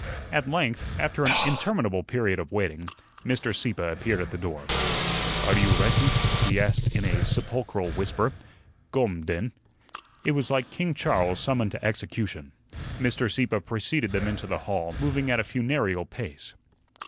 At length, after an interminable period of waiting, Mr. Sieppe appeared at the door. "Are you reatty?" he asked in a sepulchral whisper. "Gome, den." It was like King Charles summoned to execution. Mr. Sieppe preceded them into the hall, moving at a funereal pace.